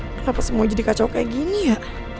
kenapa semua jadi kacau kayak gini ya